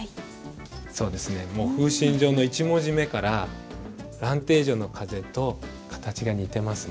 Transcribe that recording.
もう「風信帖」の１文字目から「蘭亭序」の「風」と形が似てますね。